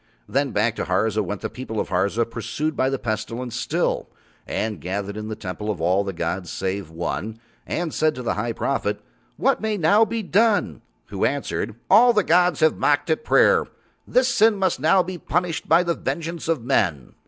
Then back to Harza went the people of Harza pursued by the Pestilence still, and gathered in the Temple of All the gods save One, and said to the High Prophet: "What may now be done?" who answered: "All the gods have mocked at prayer. This sin must now be punished by the vengeance of men."